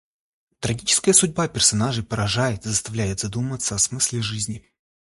Трагическая судьба персонажей поражает и заставляет задуматься о смысле жизни.